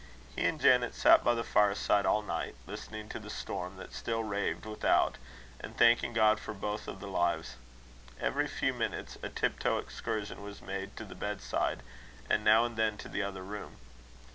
He and Janet sat by the fireside all night, listening to the storm that still raved without, and thanking God for both of the lives. Every few minutes a tip toe excursion was made to the bedside, and now and then to the other room.